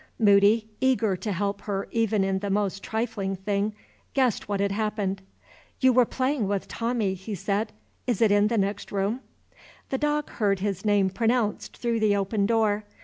Moody, eager to help her even in the most trifling thing, guessed what had happened. "You were playing with Tommie," he said; "is it in the next room?" The dog heard his name pronounced through the open door.